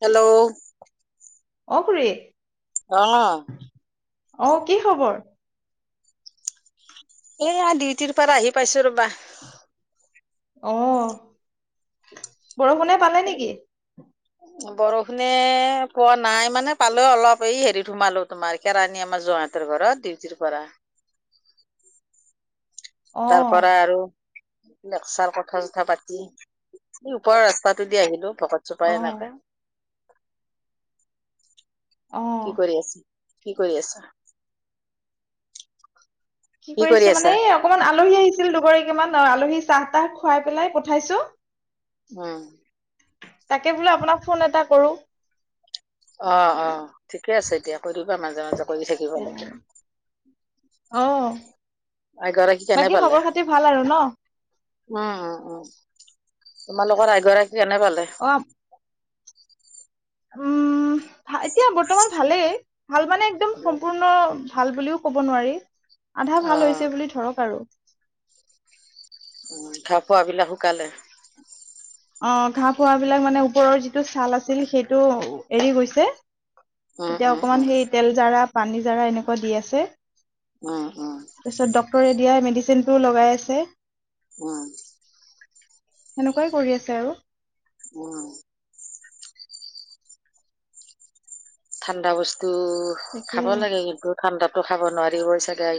Hello অ', খুৰি অ', অ', কি খবৰ? এয়া ডিউটিৰ পৰা আহি পাইছো ৰবা। অ', বৰষুণে পালে নেকি? বৰষুণে পোৱা নাই মানে পালো অলপ এই হেৰিত সোমালো তোমাৰ কেৰাণী আমাৰ জোঁৱাই হঁতৰ ঘৰত ডিউটিৰ পৰা অ তাৰ পৰা আৰু লেকচাৰ কথা চথা পাতি, এই ওপৰৰ ৰাস্তাটো দি আহিলো ভকত চুপাই অ এনেকে অ কি কৰি আছে, কি কৰি আছা? কি কৰি কৰিছো আছা মানে এই অকমান আলহী আহিছিল দুগৰীকীমান অ' আলহী চাহ তাহ খুৱাই পেলাই পঠাইছো। উম, তাকে বোলে আপোনাক ফোন এটা কৰো। অ', অ', ঠিকে আছে দিয়া কৰিবা মাজে মাজে কৰি থাকিব এ, লাগে। অ', আইগৰাকী কেনে বাকী পালে খবৰ খাতি ভাল আৰু ন'? উম, উম, উম, তোমালোকৰ এগৰাকী কেনে পালে? [inaudible] উম, এতিয়া বৰ্তমান ভালেই ভাল মানে একদম অ সম্পূৰ্ণ ভাল বুলিও কব নোৱাৰ, আধা ভাল হৈছে বুলি ধৰক আৰু। উম, ঘাহ ফোৱা বিলাক শুকালে? অ', ঘাঁহ ফোৱা বিলাক মানে ওপৰৰ যিটো ছাল আছিল সেইটো এৰি গৈছে উম এতিয়া উম অকমান উম সেই তেল জাৰা, পানী জাৰা, এনেকুৱা দি আছে। উম, উম, তাৰপিছত ডক্তৰে দিয়া মেডিচিনটো লগাই আছে। উম, সেনেকুৱাই কৰি আছে আৰু উম, ঠাণ্ডা বস্তু তাকে খাব লাগে কিন্তু ঠাণ্ডাতো খাব নোৱাৰিবই চাগাই।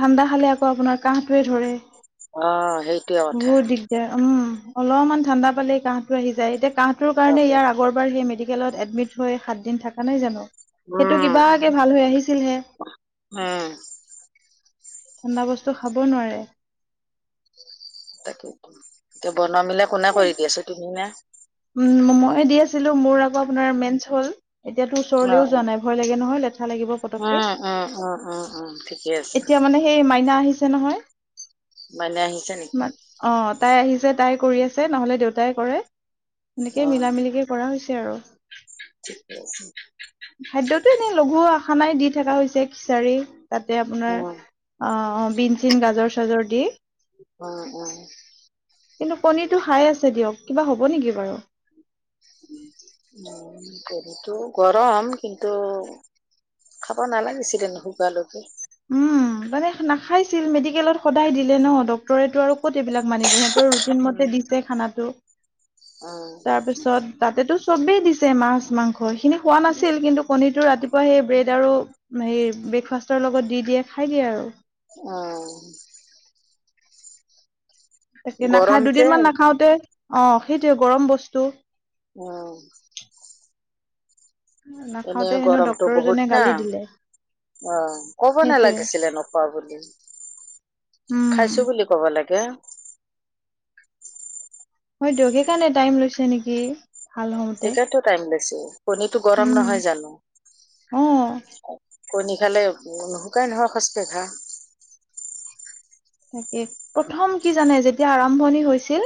ঠাণ্ডা খালে আকৌ আপোনাৰ কাহটোৱে ধৰে। অ', সেই বহুত দিগদাৰ উম, অলপমান ঠাণ্ডা পালে কাহটো আহি যায় এতিয়া কাহটোৰ কাৰণে তাকে ইয়াৰ আ আগৰবাৰ সেই মেডিকেলত এডমিট হৈ সাতদিন থকা নাই জানো। সেইটো উম কিবাকে ভাল হৈ আহিছিলহে উম ঠাণ্ডা বস্তু খাব নোৱাৰে। তাকেই, এতিয়া বনোৱা মিলা কোনে কৰি দি আছে তুমি নে? উম, ময়ে দি আছিলোঁ মোৰ আকৌ আপোনাৰ মেইনচ হল, এতিয়াতো অ ওচৰলেও অ যোৱা নাই ভয় লাগে নহয় লেঠা লাগিব। পতককে উম উম উম উম উম ঠিকেই আছে। এতিয়া মানে সেই মাইনা আহিছে নহয়। মইনা আহিছে নেকি? মা- অ', তাই আহিছে তাই কৰি আছে, নহলে দেউতাই কৰে অ সেনেকে মিলা মিলিকে পৰা হৈছে আৰু। ঠিকে আছে। খাদ্য তো এনেই লঘু আখানাই দি থকা হৈছে খিচাৰি তাতে আপোনাৰ উম অ', বিন চিন গাজৰ চাজৰ দি। উম উম। কিন্তু কণীৰটো হাই আছে দিয়ক কিবা হ'ব নেকি বাৰু? কণীটোও গৰম কিন্তু খাব নালাগিছিলে নুশুকোৱালৈকে। উম মানে নাখাইছিল মেডিকেলত সদায় দিলে ন ডক্তৰেটো আৰু ক'ত এইবিলাক মানিব। ৰুটিন উম মতে দিছে খানাটো তাৰপিছত তাতেতো চবেই দিছে মাছ মাংস সেইখিনি খোৱা উম নাছিল কিন্তু কণিত টো ৰাতিপুৱা সেই ব্ৰেড আৰু হে ব্ৰেকফাষ্টৰ লগত দি দিয়ে খাই দিয়ে আৰু। অ'। তাকে গৰম নাখায় যে দুদিনমান নাখাওতে অ', সেইটোয়ে গৰম বস্তু উম। নাখাওতে এনেও হেনো গৰমটো ডক্তৰজনে বহুত না। গালি দিলে অ', কব সেইটোৱে নালাগিছিলে নোখোৱা বুলি উম খাইছোঁ বুলি ক'ব লাগে। হয় দিয়ক, সেই কাৰণে টাইম লৈছে নেকি? ভাল হওঁতে সেইকাৰণে টো টাইম বেছি, কণীটো গৰম উম নহয় জানো। অ কণী খালে নুশুকাই নহয় খচকে ঘা। তাকে প্ৰথম কি জানে যেতিয়া আৰম্ভণি হৈছিল,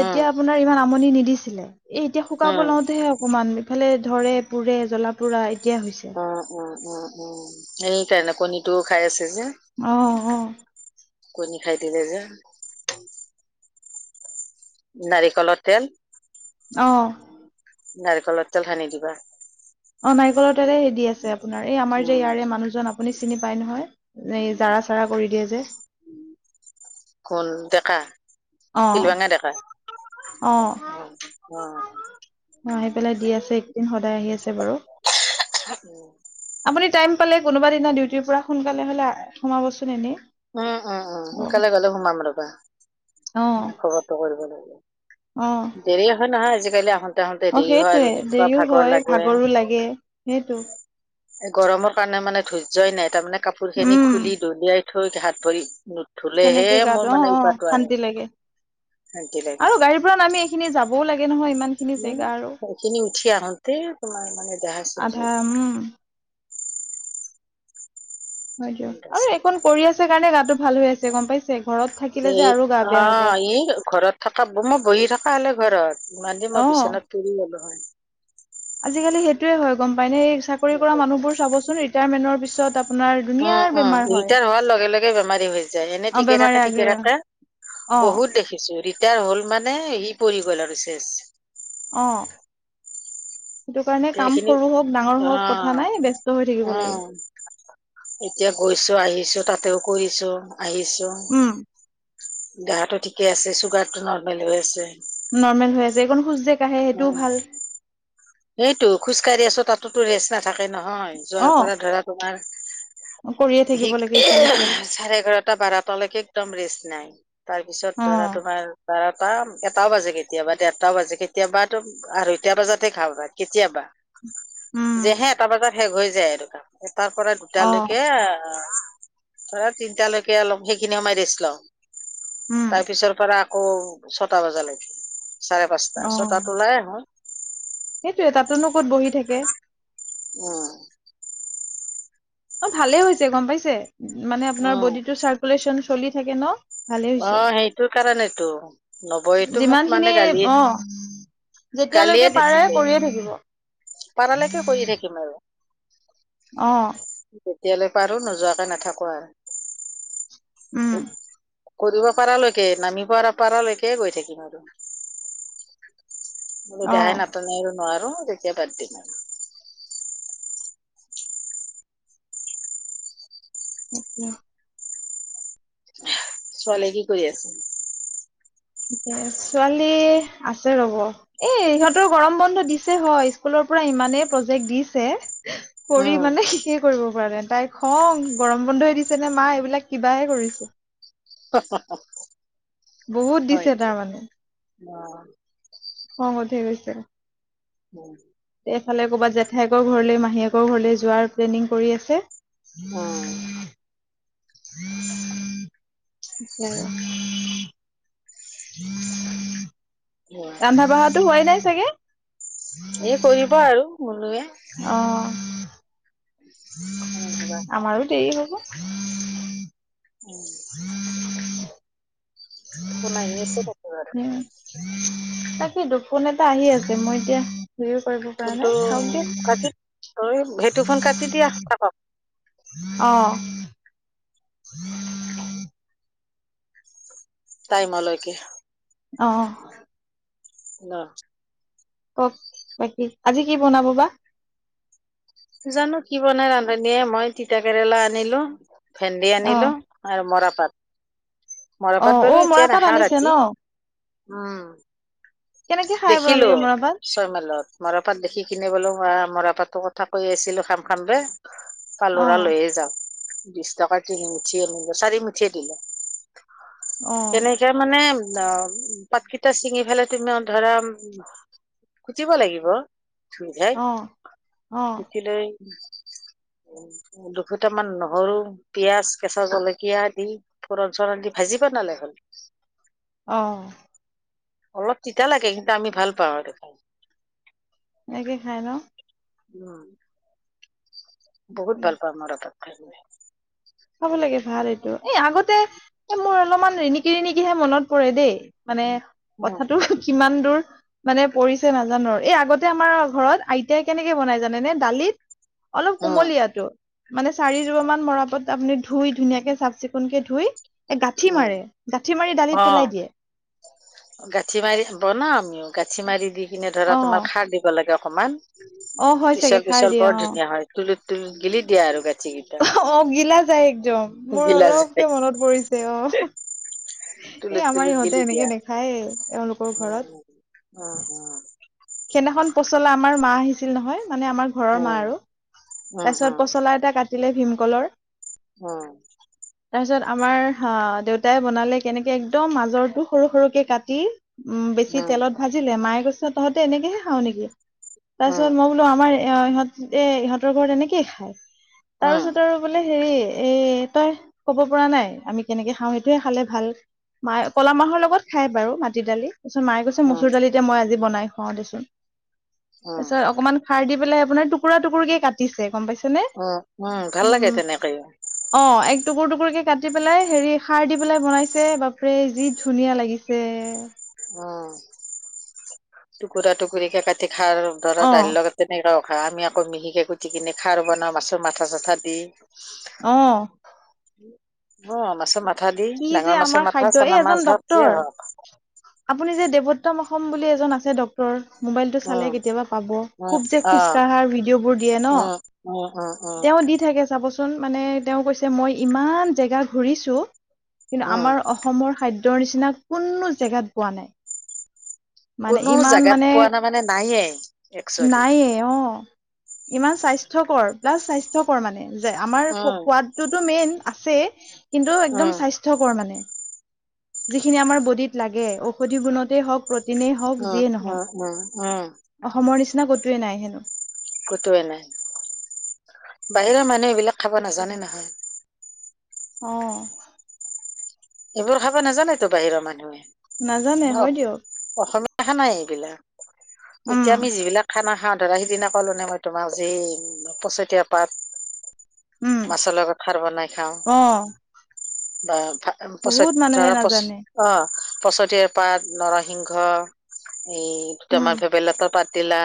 উম তেতিয়া আপোনাৰ ইমান আমনি নিদিছিলে এ এতিয়া শুকাব উম লওঁতে হে অকমান এইফালে ধৰে, পুৰে, জলা পুৰা এতিয়া হৈছে। উম উম উম। উ সেই কাৰণে কণীটোও খাই আছে যে অ কণী খাই দিলে যে। নাৰিকলৰ তেল অ'। নাৰিকলৰ তেল সানি দিবা। অ', নাৰিকলৰ তেলে হেৰি আছে আপোনাৰ এই আমাৰ যে উম ইয়াৰে মানুহজন আপুনি চিনি পায় নহয় এই জাৰা চাৰা কৰি দিয়ে যে। কোন ডেকা অ শিলভঙা ডেকা অ', অ'। অ', আহি পেলাই দি আছে, একদিন সদায় আহি আছে বাৰু। [unintelligible] আপুনি টাইম পালে কোনোবা দিনা ডিউটিৰ পৰা সোনকালে হ'লে সোমাবচোন এদিন। উম উম উম সোনকালে গ'লে সোমাম ৰবা। অ', খবৰটো কৰিব লাগিব, অ', দেৰি আছে নহয় আজিকালি আহ তে আহোঁতে দেৰি হয় সেইটোৱে আৰু এনেকুৱা দেৰিও ভাগৰ হয় লাগে। ভাগৰো লাগে। সেইটো এই গৰমৰ কাৰণে মানে ধৰ্য্যই নাই, তাৰমানে কাপোৰ খিনি উম, খুলি দলিয়াই থৈ হাত-ভৰি নু কেনেকে গাত অ, অ, শান্তি লাগে শান্তি লাগে। আৰু গাড়ীৰ পৰা নামি, এইখিনি যাবও লাগে নহয়, ইমান। খিনি উম, জেগা আৰু। সেইখিনি উঠি আহোতেই তোমাৰ মানে দোহা-চজ, আধা হৈ উম, হয় দিয়, আৰু এইখন কৰি আছে কাৰণে গাটো ভাল হৈ আছে, গম পাইছে, ঘৰত থাকিলে এ, যে আৰু গা অ, বেয়া হ'ব এই ঘৰত থকা মই বহি থকা, হ'লে ঘৰত ইমান দিনে মই অ'। বিচনাত [inaudible] আজিকালি সেইটোয়ে হয়, গম পাইনে, এই চাকৰি কৰা মানুহবোৰ চাবচোন ৰিটায়াৰমেন্টৰ পিছত আ উম, উম, ৰিটায়াৰ হোৱাৰ লগে, লগে, বেমাৰী হৈ যায়। এনে অ ঠিকে বেমাৰে থাকে, আগে ঠিকে থাকে। অ বহুত দেখিছো, ৰিটায়াৰ হ'ল, মানে সি পৰি গ'ল আৰু শেষ। অ, সেইটো কাৰণে এতিয়া কাম এইখিনি সৰু, হ'ওক ডাঙৰ অ হ'ওক, কথা নাই, ব্যস্ত হৈ থাকিব অ লাগে। এতিয়া গৈছো আহিছো, তাতেও কৰিছো আহিছো। উম দেহাটো ঠিকে আছে, চুগাৰ টো নৰ্মেল হৈ আছে। নৰ্মেল হৈ আছে, এইকন খোজ যে কাঢ়ে, উ সেইটোও ভাল। সেইটো খোজকাাঢ়ি আছো, তাতোতো ৰেষ্ট নাথাকে নহয়, অ যোৱাৰ পৰা-ধৰা। তোমাৰ কৰিয়ে থাকিব ঠিক, লাগে ইফাল সিফাল চাৰে এঘাৰটা, বাৰটালৈকে, একদম ৰেষ্ট নাই। তাৰ পিছত অ ধৰা, তোমাৰ বাৰটা, এটাও বাজে কেতিয়াবা, দেৰটাও বাজে কেতি কেতিয়াবাতো, আঢ়ৈটা, বজাতে খাবা কেতিয়াবা। উম যে, হে, এটা বজাত শেষ হৈ যায়, এটাৰ পৰা অ দুটালৈকে ধৰা তিনটা লৈকে অলপ, সেইখিনি সময় ৰেষ্ট লম, উম তাৰ পিছৰ পৰা আকৌ ছটা বজা লৈকে, চাৰে পাঁচটা, ছটাত ওলাই আহো। সেইটয়ে, তাতে নো, ক'ত বহি থাকে। উম, অ, ভালে হৈছে গম পাইছে, মানে আপোনাৰ উম বডিটো চাৰ্কুলেশ্যন চলি থাকে ন, ভালেই অ হৈছে, সেইটো কাৰণেতো নবৌৱেতো মোক যিমান মানে খিনি গালি অ, গালিয়ে যেতিয়ালৈকে পাৰে দিছিলে কৰিয়ে থাকিব। পাৰালৈকে কৰি থাকিম আৰু। অ, যেতিয়ালৈ পাৰো, নোযোৱাকে নাথাকো আৰু। উম, কৰিব পাৰালৈকে, নামিব পৰা পাৰলৈকে, গৈ থাকিম আৰু। দেহাই অ', নাটনে আৰু, নোৱাৰো তেতিয়া বাদ দিম। উম, ছোৱালীয়ে, কি কৰি আছে? ছোৱালী আছে, ৰ'ব। এই ইহঁতৰ গৰম বন্ধ দিছে হয়, স্কুলৰ পৰা ইমানেই প্ৰজেক্ট দিছে। কৰি উম মানে শেষে কৰিব পৰা নাই, তাই খং গৰম বন্ধই দিছে নে মা, এইবিলাক কিবাহে কৰিছে। [unintelligible] বহুত হয় দিছে তাৰমানানে। অ, অং উঠি গৈছে। [inaudible] এইফালে কৰ'বাত জেঠায়কৰ ঘৰলে মাহীয়েকৰ ঘৰলৈ যোৱাৰ প্লেনিং কৰি আছে। অ [unintelligible] ৰন্ধা বাঢ়াটো হোৱাই নাই চাগে এই কৰিব আৰু মলোৱে অ ভাবা আমাৰো দেৰি হ'ব উম ফোন আহি আছে উম তাকো আৰু তাকেতো ফোন এটা আহি আছে মই এতিয়া [unintelligible] ফোনটো থাকক দিয়ক কাটিঐ সেইটো ফোন কাটি দিয়া অ [unintelligible] টাইমলৈকে। অ'। অ কওক বাকি আজি কি বনাব বা জানো কি বনাই ৰান্ধনীয়ে মই তিতা কেৰেলা আনিলো ভেন্দি অ আনিলো। আৰু মৰাপাত অ মৰাপাত অ বাৰু এতিয়া মৰাপাট নাখাওঁ আনিছে ন ৰাতি উম। কেনেকে খাই দেখিলো আপোনালোকে মৰাপাট ছয় মাইলত মৰাপাত দেখি কিনে বোলো মৰাপাতো কথা কৈ আছিলো খাম খাম বে অ কালৰা লৈয়ে যাওঁ বিশ টকা তিনি মুুঠি আনিলো চাৰিমুঠিয়ে দিলে। অ কেনেকে মানে অ পাতকিটা ছিঙি ফালে তুমি অ ধৰা খুজিব লাগিব অ অ [unintelligible] দুফুটামান নহৰু, পিয়াজ, কেঁচা জলকীয়া দি ফৰণ চোৰণ দি ভাজি পা নালাগ হ'ল। অ অলপ তিতা লাগে কিন্তু আমি ভাল পাওঁ আৰু খাই এনে খাই ন উম বহুত ভাল পাওঁ মৰাপাত খাই খাব লাগে ভাল এইটো এই আগতে এ মোৰ অলপমান ৰিণিকি ৰিণিকিহে মনত পৰে দেই মানে উম কথাটো কিমান দূৰ মানে পৰিছে নাজানো এই আগতে আমাৰ ঘৰত আইতাই কেনেকে বনাই জানে নে দালিত অলপ উম কুমলীয়াটো মানে চাৰি যোপা মান মৰাপাত আপুনি ধুই ধুনীয়াকে চাফ চিকুণ কে ধুই এ গাঁঠি উম মাৰে গাঁঠি মাৰি অ দালিত পেলাই দিয়ে। গাঁঠি মাৰি বনাও আমিও গাঁঠি মাৰি দি কিনে ধৰা অ তোমাৰ খাৰ দি দিব লাগে অকমান অ হয় চাগে পিছল খাৰ পিছল দিয়ে বৰ অ ধুনীয়া হয়। তুল তুল গিলি দিয়া আৰু গাখীৰ কিটা অ গিলা যায় একদম মোৰ যায় অলপকে মনত পৰিছে অ এই তুলুট আমাৰ তুলুট ইহঁতে এনেকে জেলিকীয়া নেখায়ে এওঁলোকৰ উ ঘৰত উ উ সেইদিনাখন পচলা আমাৰ মা আহিছিল নহয় মানে আমাৰ ঘৰৰ মা উম আৰু উম তাৰপিছত উম পচলা এটা কাটিলে ভীমকলৰ উম তাৰপিছত আমাৰ আহ দেউতাই বনালে কেনেকে একদম মাজৰটো সৰু সৰুকে কাটি উম, বেছি তেলত ভাজিলে, মায়ে গছ তহঁতে এনেকেহে খাওঁ নেকি উম তাৰপিছত মই বোলো আমাৰ এ-ইহঁতে ইহঁতৰ ঘৰত তেনেকেই খাই উম উম তাৰপিছত আৰু বোলে হেৰি এ, তই ক'ব পৰা নাই আমি কেনেকে খাওঁ, সেইটোহে খালে ভাল। মাই ক'লা মাহৰ লগত খাই বাৰু মাটি দালি। তাৰপিছত মায়ে কৈছে উম মচুৰ দালি দে মই আজি বনাই খুৱাওঁ দেচোন উম তাৰপিছত অকমান সাৰ দি পেলাই আপোনাৰ টুকুৰা টুকুৰিকে কাটিছে গম পাইছেনে? উম ভাল লাগে উম। তেনেকে অ' এক টুকুৰ টুকুৰ কে কাটি পেলাই হেৰি সাৰ দি পেলাই বনাইছে, বাপৰে যি ধুনীয়া লাগিছ ছে। উ। টুকুৰা টুকুৰি কে কাটি সাৰ দৰা অ দাইল লগ তেনেকেও খা, আমি আকৌ মিহিকে গুটি কিনে সৰ বনাওঁ মাছৰ মাথা চাথা দি। অ'। অ' মাছৰ মাথা দি, কি যে ডাঙৰ আমাৰ মাছৰ মাথা, খাদ্য এই চানা মাছ এজন হওঁক ডক্তৰ যিয়ে হওঁক। আপুনি যে দেৱত্তম অসম বুলি এজন আছে দক কৰ, মোবাইলটো চালে উম কেতিয়াবা পাব। উম খুব যে অ খোজ কঢ়াৰ ভিডিঅ'বোৰ দিয়ে ন' অ', অ', অ'। তেওঁ দি থাকে চাবচোন মানে তেওঁ কৈছে মই ইমান জেগা ঘুৰিছোঁ কিন্তু উম আমাৰ অস অসমৰ খাদ্যৰ নিচিনা কোনো জেগাত পোৱা নাই। মানে কোনো ইমান জাগাত মানে পোৱা নাই মানে নায়ে একচুৱেলি। নায়ে অ', ইমান স্বাস্থ্যকৰ প্লাছ স্বাস্থ্যকৰ মানে যে আমাৰ উম সোৱাদ টোতো মেইন আছে কিন্তু একম উম স্বাস্থ কৰ মানে যিখিনি আমাৰ বডিত লাগে, ঔষধি গুণতেই হওক এনেই হওঁক, উম, যিয়েই উম, নহওঁক উম, উম, অসমৰ নিচিনা ক'তোৱে নাই হেনো। ক'তোৱে নাই। বাহিৰৰ মানুহ এইবিলাক খাব হেনো নাজানে নহয়। অ'। এইবোৰ খাব নাজানেতো বাহিৰৰ মানুহে। নাজানে আমাৰ হয় অস- দিয়ক। অসমীয়া খানাই এইবিলাক। উম এতিয়া আমি যিবিলাক খানা খাওঁ ধৰা সিদিনা ক'লো নে মই তোমাক যি পচতীয়া পাত উম মাছলৰ কথাৰ বনাই খাওঁ, অ বা ভা [unintelligible] বহুত মানুহে ধৰা পচ নাজানে অ' পছতিয়াৰ পাত, নৰসিংহ এই টো উম আমাৰ ফে বেলতৰ পাত দিলা,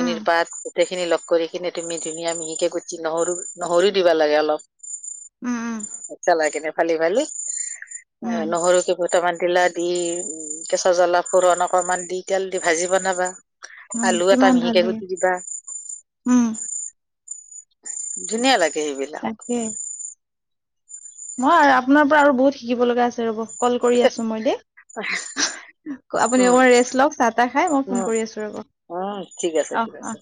উম পাত গোটেইখিনি লগ কৰি কিনে তুমি ধুনীয়া মিহিকে গুচ্চিন্ন, নহৰু নহৰু দিবা লাগে উম উম অলপ। চলাই কিনে ফালি ফালি। এ, উম নহৰু কেবল টামান দিলা দি কেঁচা জ্বলা কৰণ অকমান দি তেল দি ভাজি বনাবা। উম আলু এটা কিমান ভাল মিহিকে লাগে গুটি দিবা। উম। ধুনীয়া লাগে সেইবিল। উম। মই আৰু আপোনাৰ পৰা আৰু বহুত শিকিব লগা আছে, ৰ'ব কল কৰি আছোঁ মই দেই। আপুনি উম অকমান ৰেষ্ট লওঁক চাহ তাহ খাই, মই ফোন উম কৰি আছোঁ ৰ'ব। উম ঠিক আছে, অ ঠিক অ আছে।